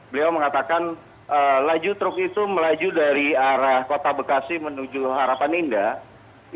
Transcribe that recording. beliau mengatakan laju truk itu melaju dari arah kota bekasi menuju harapan indah